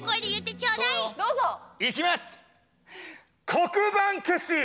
黒板消し！